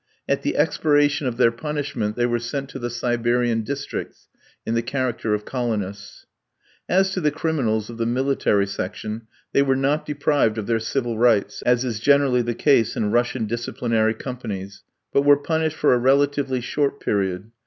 At the expiration of their punishment they were sent to the Siberian districts in the character of colonists. As to the criminals of the military section, they were not deprived of their civil rights as is generally the case in Russian disciplinary companies but were punished for a relatively short period.